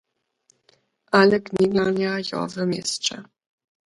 Ale knigłaŕnja jo w měsće.